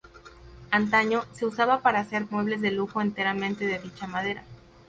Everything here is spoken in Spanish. Antaño, se usaba para hacer muebles de lujo enteramente de dicha madera.